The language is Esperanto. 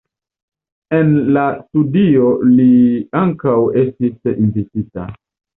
En la studio li ankaŭ estis invitita.